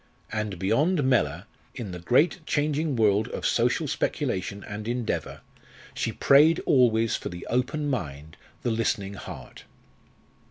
And beyond Mellor, in the great changing world of social speculation and endeavour, she prayed always for the open mind, the listening heart.